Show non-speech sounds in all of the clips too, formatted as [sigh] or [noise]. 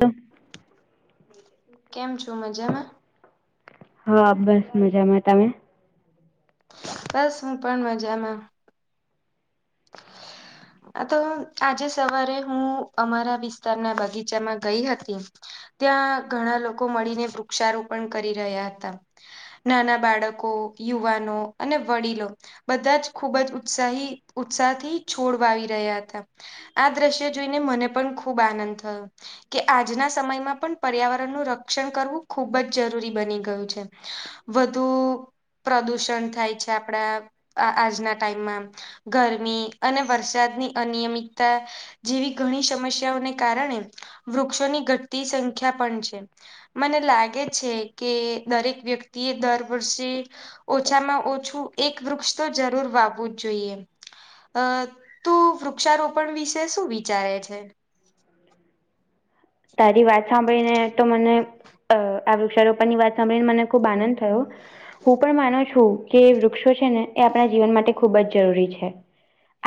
તો કેમ છું મજામાં હા બસ મજામાં. તમે? બસ હું પણ મજા માં. [inaudible] આ તો આજે સવારે હું અમારા વિસ્તારના બગીચામાં ગઈ હતી. ત્યાં ઘણા લોકો મળીને વૃક્ષારોપણ કરી રહ્યા હતા. નાના બાળકો, યુવાનો અને વડીલો બધા જ ખુબ જ ઉત્સાહી ઉત્સાહ થી છોડ વાવી રહ્યા હતા. આ દ્રશ્ય જોઈને મને પણ ખૂબ આનંદ થયો. કે આજના સમયમાં પણ પર્યાવરણનું રક્ષણ કરવું ખૂબ જ જરૂરી બની ગયું છે. વધુ પ્રદુષણ થાય છે આપણા આ આજના ટાઈમમાં. ઘરમી અને વરસાદની અનિયમિતતા જેવી ઘણી સમસ્યાઓને કારણે વૃક્ષોની ઘટતી સંખ્યા પણ છે. મને લાગે છે, કે દરેક વ્યક્તિ એ દર વર્ષે ઓછામાં ઓછું એક વૃક્ષ તો જરૂર વાવવું જ જોઈએ. તું વૃક્ષારોપણ વિશે શું વિચારે છે? તારી વાત સાંભળી ને તો મને આ વૃક્ષારોપણ ની વાત સાંભળી ને મને ખુબ આનંદ થયો. હું પણ માનું છું કે વૃક્ષો છે ને એ આપણા જીવન માટે ખૂબ જ જરૂરી છે.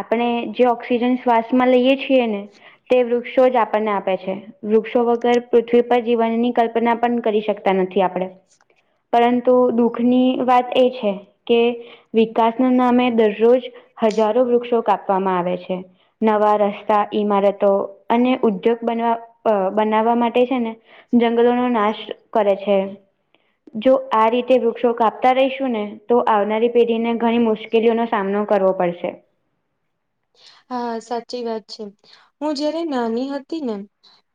આપણે જે ઓક્સિજન શ્વાસ માં લઈએ છીએ ને. તે વૃક્ષો જ આપણને આપે છે. વૃક્ષો વગર પૃથ્વી પર જીવનની કલ્પના પણ કરી શકતા નથી આપણે. પરંતુ દુઃખની વાત એ છે કે વિકાસના નામે દરરોજ હજારો વૃક્ષો કાપવામાં આવે છે. નવા રસ્તા, ઈમારતો અને ઉદ્યોગ બનવા બનાવા માટે છે ને જંગલોનો નાશ કરે છે. જો આ રીતે વૃક્ષો કાપતા રહીશું ને તો આવનારી પેઢી ને ઘણી મુશ્કેલી પડશે. કે જેનો સામનો કરવો પડશે. હા સાચી વાત છે હું જયારે નાની હતી ને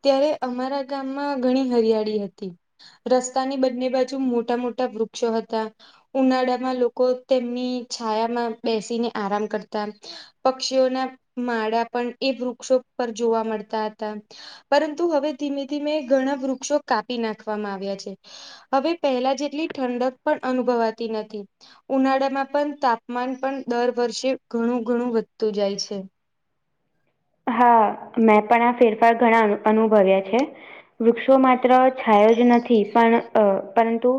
ત્યારે અમારા ગામમાં ઘણી હરિયાળી હતી. રસ્તાની બંને બાજુ મોટા મોટા વૃક્ષો હતા. ઉનાળામાં લોકો તેમની છાયામાં બેસીને આરામ કરતા. પક્ષીઓના માળા પણ એ વૃક્ષો પર જોવા મળતા હતા. પરંતુ હવે ધીમે ધીમે ઘણા વૃક્ષો કાપી નાખવામાં આવ્યા છે. હવે પહેલા જેટલી ઠંડક પણ અનુભવાતી નથી. ઉનાળામાં પણ તાપમાન પણ દર વર્ષે ઘણું ઘણું વધતું જાય છે. હા મેં પણ આ ફેરફાર ઘણા અનુભવ્યા છે. વૃક્ષો માત્ર છાયો જ નથી પણ પરંતુ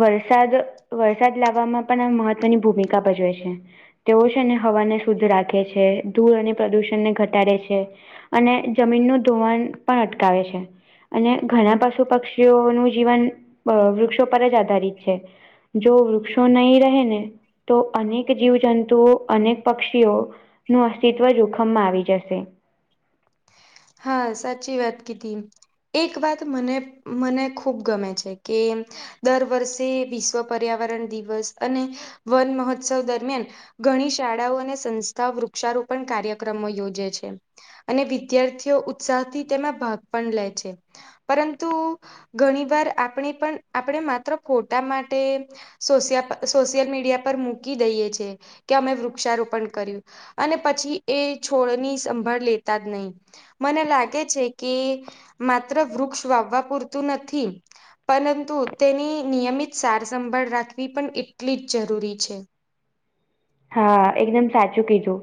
વરસાદ વરસાદ લાવવામાં પણ આ મહત્વની ભૂમિકા ભજવે છે. તેઓ છે ને હવાને શુદ્ધ રાખે છે ધૂળ અને પ્રદૂષણને ઘટ ઘટાડે છે અને જમીનનું ધોવાણ પણ અટકાવે છે. અને ઘણા પશુ પક્ષીઓનું જીવન વૃક્ષો પર જ આધારિત છે. જો વૃક્ષો નહી રહે ને તો અનેક જીવજંતુઓ અનેક પક્ષીઓ નું અસ્તિત્વ જોખમમાં આવી જશે. જશે. હા સાચી વાત કીધી. એક વાત મને મને ખૂબ ગમે છે કે દર વર્ષે વિશ્વ પર્યાવરણ દિવસ અને વન મહોત્સવ દરમિયાન ઘણી શાળાઓ અને સંસ્થાઓ વૃક્ષારોપણ કાર્યક્રમો યોજે છે અને વિદ્યાર્થી ઉત્સાહથી તેમાં પણ લે છે પરંતુ ઘણી વાર આપણે પણ આપણે માત્ર ફોટા માટે સોશિયલ મીડિયા પર મૂકી દઈએ છે કે અમે વૃક્ષારોપણ કર્યું. અને પછી એ છોડની સંભાળ લેતા જ નહીં. મને લાગે છે કે માત્ર વૃક્ષ વાવવા પૂરતું નથી. પરંતુ તેની નિયમિત સારસંભાળ રાખવી પણ એટલી જ જરૂરી છે. હા એકદમ સાચું કીધું.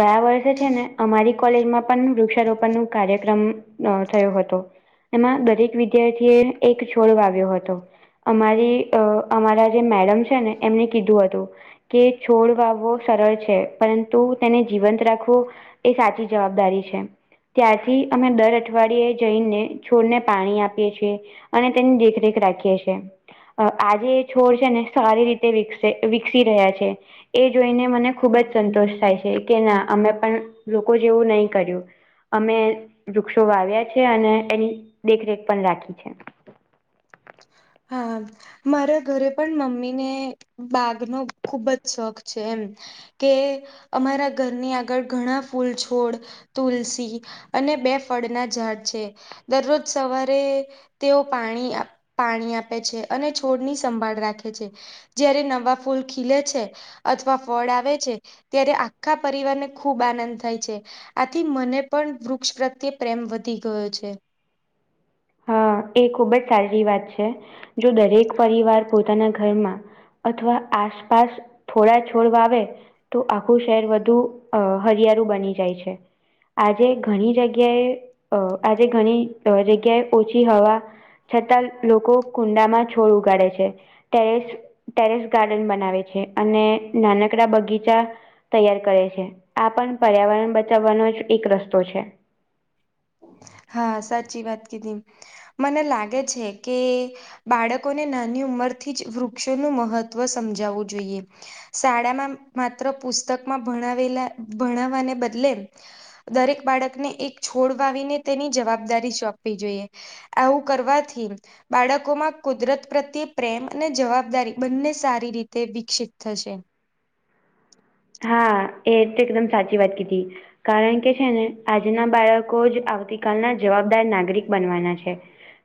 ગયા વર્ષે છે ને અમારી કોલેજમાં પણ વૃક્ષારોપણનું કાર્યક્રમ [unintelligible] થયો હતુ. એમાં દરેક વિદ્યાર્થીએ એક છોડ વાવ્યો હતો. અમારી અ અમારા જે મેડમ છે ને, એમને કીધું હતું કે છોડ. વાવવો સરળ છે. પરંતુ તેને જીવંત રાખવું એ સાચી જવાબદારી છે. ત્યાંથી અમે દર અઠવાડિયે જઈને છોડને પાણી આપીએ છીએ. અને તેની દેખરેખ રાખીએ છીએ. આજે એ છોડ છે ને સારી રીતે વિકશે વિકસી રહ્યા છે. એ જોઈને મને ખૂબ જ સંતોષ થાય છે કે, ના અમે પણ લોકો જેવું નહીં કર્યું. અમે વૃક્ષો વાવ્યા છે અને એની દેખરેખ પણ રાખી છે. હા. મારા ઘરે પણ મમ્મીને બાગનો ખુબ જ શોખ છે એમ. કે અમારા ઘરની આગળ ઘણા ફૂલ, છોડ. તુલસી અને બે ફળના ઝાડ છે. દરરોજ સવારે તેઓ પાણી. પાણી આપે છે. છોડની સંભાળ રાખે છે. જ્યારે નવા ફૂલ ખીલે છે અથવા ફળ આવે છે. ત્યારે આખા પરિવારને ખુબ આનંદ થાય છે. આથી મને પણ વૃક્ષ પ્રત્યે પ્રેમ વધી ગયો છે. હા એ ખુબ જ સારી વાત છે. જો દરેક પરિવાર પોતાના ઘરમાં. અથવા આસપાસ થોડા છોડ વાવે. તો આખું શહેર વધુ અ હરિયાળું બની જાય છે. આજે ઘણી જગ્યાએ. આજે ઘણી જગ્યાએ. ઓછી હવા છતાં લોકો કુંડામાં છોડ ઉગાડે છે. ત્યારે. ટેરેસ ગાર્ડન બનાવે છે. અને નાનકડા બગીચા. તૈયાર કરે છે. આ પણ પર્યાવરણ બચાવવાનો જ એક રસ્તો છે. હા સાચી વાત કીધી મને લાગે છે કે, બાળકોને નાની ઉંમરથી જ વૃક્ષોનું મહત્વ સમજાવવું જોઈએ. શાળામાં માત્ર પુસ્તકમાં ભણાવેલા ભણાવવાને બદલે, દરેક બાળકને એક છોડ વાવીને તેની જવાબદારી સોંપવી જોઈએ. આવું કરવાથી. બાળકોમાં કુદરત પ્રત્યે પ્રેમ અને જવાબદારી બંને સારી રીતે વિકસિત થશે. હા એ તો એકદમ સાચી વાત કીધી. કારણ કે છે ને, આજના બાળકો જ આવતી કલના જવાબદાર નાગરિક બનવાના છે.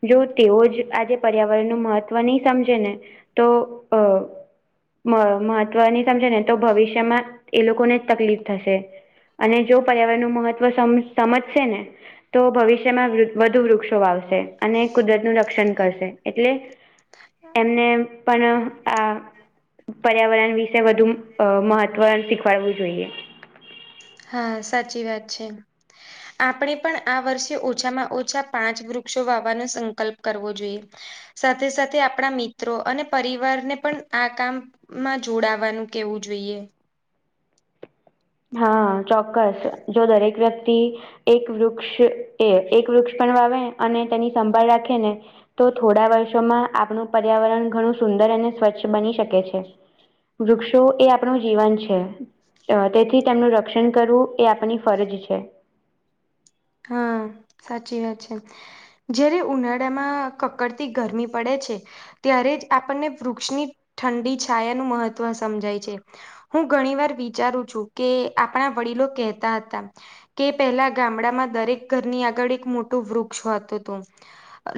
જો તેઓ જ આજે પર્યાવરણનું મહત્ત્વ નહીં સમજે ને તો અ. મહત્વ નહીં સમજે ને તો એ લોકોને જ તકલીફ થશે. અને જો પર્યાવરણનું મહત્વ સમજશે ને, તો ભવિષ્યમાં વધુ વૃક્ષો વાવશે અને કુદરતનું રક્ષણ કરશે એટલે. થ [unintelligible] નેપણ આ પર્યાવરણ વિશે વધુ મહ ત્વ શીખવાડવું જોઈએ. હા સાચી વાત છે. આપણે પણ આ વર્ષે ઓછામાં ઓછા, પાંચ વૃક્ષો વાવાનો સંકલ્પ કરવો જોઈએ. સાથે સાથે આપણા મિત્રો અને પરિવારને પણ આ કામ. માં જોડવાનું કેવું જોઈએ. હા ચોક્કસ જો દરેક વ્યક્તિ. એક વૃક્ષ એ એક વૃક્ષ પણ વાવે અને તેની સંભાળ રાખે ને. તો થોડા વર્ષોમાં આપણું પર્યાવરણ ઘણું સુંદર અને સ્વચ્છ બની શકે છે. વૃક્ષો એ આપણું જીવન છે તે થી તેમનું રક્ષણ કરવું એ આપની ફરજ છે. હા, સાચી વાત છે. જયારે ઉનાળામાં કકડતી ગરમી પડે છે. ત્યારે જ આપણને વૃક્ષની ઠંડી છાયાનું મહત્ત્વ સમજાય છે. હું ઘણી વાર વિચારું છું કે આપણા વડીલો કહેતા હતા. કે પહેલા ગામડામાં દરેક ઘરની આગળ એક મોટું વૃક્ષ હોતું તું.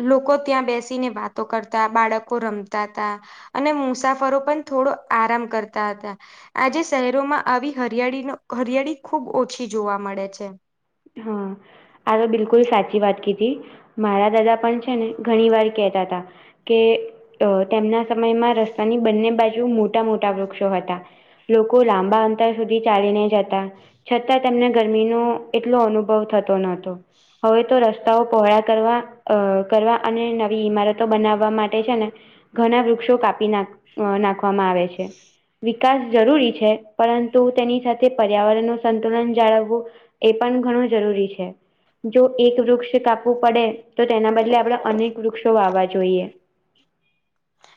લોકો ત્યાં બેસીને વાતો કરતા, બાળકો રમતા હતા. અને મુસાફરો પણ થોડો આરામ કરતા હતા. આજે શહેરોમાં આવી હરિયાળીનો હરિયાળી ખુબ ઓછી જોવા મળે છે. હમ્મ. આ તો બિલકુલ સાચી વાત કીધી મારા દાદા પણ છે ને ઘણી વાર કેહેતા હતા. કે તેમના સમયમાં રસ્તાની બંને બાજુ મોટા મોટા વૃક્ષો હતા. લોકો લાંબા અંતર સુધી ચાલીને જતા છતાં તેમને ગરમીનો એ ટલો અનુભવ થતો નતો. હવે તો રસ્તાઓ પહોળા કરવા અ કરવા અને નવી ઈમારતો બનાવવા માટે છે ને ઘણા વૃક્ષો કાપી નાખ નાખવામાં આવે છે. વિકાસ જરૂરી છે પરંતુ તેની સાથે પર્યાવરણ નું સંતુલન જાળવવું એ પણ ઘણું જરૂરી છે. જો એક વૃક્ષ કાપવું પડે તો તેના બદલે આપણે અનેક વૃક્ષો વાવા જોઈએ.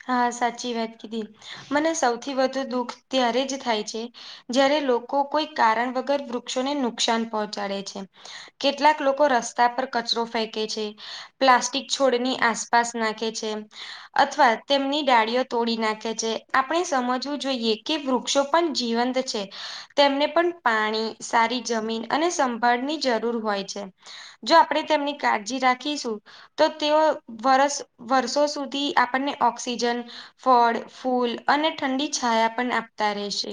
હા સાચી વાત કીધી મને સૌથી વધુ દુઃખ ત્યારે જ થાય છે. જયારે લોકો કોઈ કારણ વગર વૃક્ષોને નુકસાન પહોંચાડે છે. કેટલાક લોકો રસ્તા પર કચરો ફેંકે છે. પ્લાસ્ટિક છોડની આસપાસ નાખે છે અથવા તેમની ડાળીઓ તોડી નાખે છે, આપણે સમજવું જોઈએ કે વૃક્ષો પણ જીવંત છે. તેમને પણ પાણી, સારી જમીન અને સંભાળની જરૂર હોય છે. જો આપણે તેમની કાળજી રાખીશું તો તેઓ વરસ વર્ષો સુધી આપણને ઓક્સિજન, ફળ, ફૂલ, અને ઠંડી છાયા પણ આપતા રહેશે.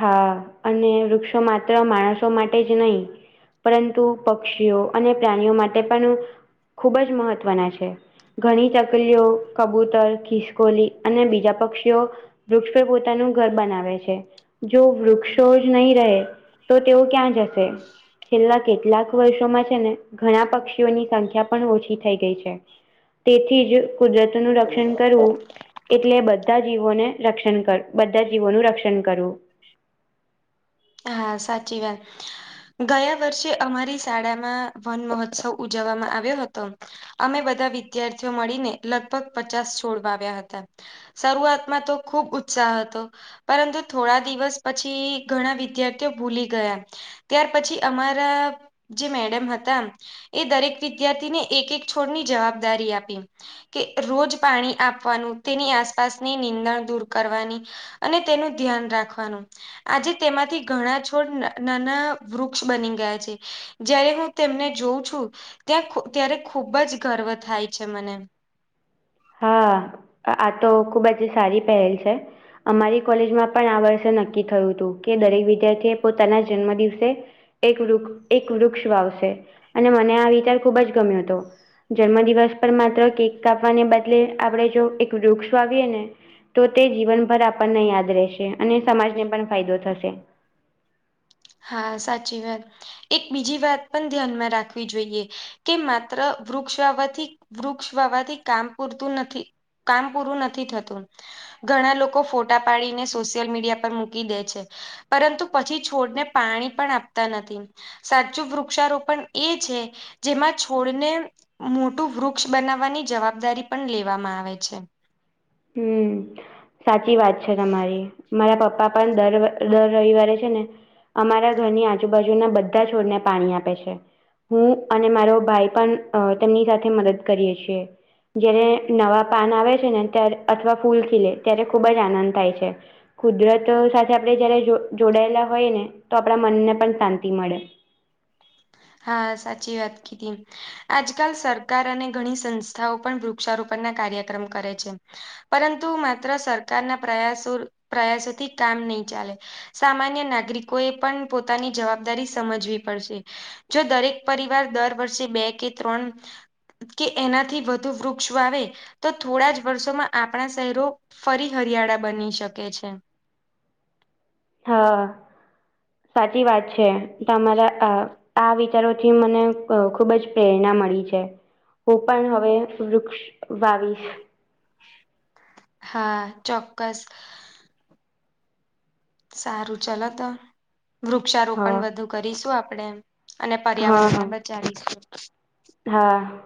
હા અને વૃક્ષો માત્ર માણસો માટે જ નહીં. પરંતુ પક્ષીઓ અને પ્રાણીઓ માટે પણ ખુબ જ મહત્વના છે. ઘણી ચકલીઓ, કબૂતર, ખિસકોલી અને બીજા પક્ષીઓ વૃક્ષો પોતાનું ઘર બનાવે છે. જો વૃક્ષો જ નહીં રહે તો તેઓ ક્યાં જશે? છેલ્લા કેટલાક વર્ષોમાં છે ને ઘણા પક્ષીઓની સંખ્યા પણ ઓછી થઈ ગઈ છે. તેથી જ કુદરતોનું રક્ષણ કરવું એટલે બધા જીવોને રક્ષણ કર બધા જીવોનું રક્ષણ કરવું. હા સાચી વાત. ગયા વર્ષે અમારી શાળામાં વન મહોત્સવ ઉજવવામાં આવ્યો હતો. અમે બધા વિદ્યાર્થીઓ મળીને લગભગ પચાસ છોડ વાવ્યા હતા. શરૂઆતમાં તો ખુબ ઉત્સાહ હતો, પરંતુ થોડા દિવસ પછી ઘણા વિ વિદ્યાર્થીઓ ભૂલી ગયા. ત્યાર પછી અમારા જે મેડમ હતા. એ દરેક વિદ્યાર્થીને એક-એક છોડની જવાબદારી આપી. કે રોજ પાણી આપવાનું, તેની આસપાસની નિંદણ દૂર કરવાની અને તેનું ધ્યાન રાખવાનું. આજે તેમાંથી ઘણા છોડ ન નાના વૃક્ષ બની ગયા છે. જ્યારે હું તેમને જોઉં છું. ત્યાં ત્યારે ખુબ જ ગર્વ થાય છે મને. હા, આ આટો ખૂબ સારી પહેલ છે. અમારી કોલેજમાં પણ આ વર્ષે નક્કી થયું તું કે, દરેક વિદ્યાર્થી એ પોતાના જન્મ દિવસે એક વૃક એક વૃક્ષ વાવશે અને મને આ વિચાર ખૂબ જ ગમ્યો તો. જન્મ દિવસ પર માત્ર કેક કાપવાને બદલે આપડે જો એક વૃક્ષો વાવીએ ને. તો તે જીવનભર આપણને યાદ રેશે અને સમાજને પણ ફાયદો થશે. હા, સાચી વાત. એક બીજી વાત પણ ધ્યાનમાં રાખવી જોઈએ. કે માત્ર વૃક્ષ વાવાથી, વૃક્ષ વાવાથી કામ પૂરતું નથી. કામ પૂરુ નથી થતું. ઘણા લોકો ફોટા પાડીને સોસિયલ મીડિયા પર મૂકી દે છે. પરંતુ પછી છોડને પાણી પણ આપતા નથી. સાચું વૃક્ષારોપણ એ છે. જેમાં છોડને મોટું વૃક્ષ બનાવવાની જવાબદારી પણ લેવામાં આવે છે. હમ્મ. સાચી વાત છે, તમારી. મારા પપ્પા પણ દર વર દર રવિવારે છે ને અમારા ઘરની આજુબાજુના બધા છોડને પાણી આપે છે. હું અને મારો ભાઈ પણ અ તેમની સાથે મદદ કરીએ છીએ. જ્યારે નવા પાન આવે છે ને ત્યાર અથવા ફૂલ ખીલે, ત્યારે ખુબ જ આનંદ થાય છે. કુદરતો સાથે આપડે જયારે જો જોડાયેલા હોયે ને, તો આપડા મનને પણ શાંતિ મળે. હા, સાચી વાત કીધી. આજકાલ સરકાર અને ઘણી સંસ્થાઓ પણ વૃક્ષારોપણ ના કાર્યક્રમ કરે છે. પરંતુ માત્ર સરકારના પ્રયાસો પ્રયાસોથી કામ નઈ ચાલે. સામાન્ય નાગરિકો એ પણ પોતાની જવાબદારી સમજવી પડશે. જો દરેક પરિવાર દર વર્ષે બે કે ત્રણ કે એનાથી વધુ વૃક્ષ વાવે, તો થોડા જ વર્ષોમાં આપણા સહેરો ફરી હરિયાળા બની શકે છે. હા, સાચી વાત છે, તમારા આ આ વિચારોથી મને અ ખુબ જ પ્રેરણા મળી છે. હું પણ હવે વૃક્ષ વાવીસ. હા, ચોક્કસ. સારુ, ચલો ત. વૃક્ષારોપણ હા વધુ કરીસું આપડે. અને હા પર્યાવરણ ને હા બચાવીસુ. હા.